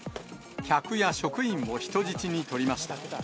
客や職員を人質に取りました。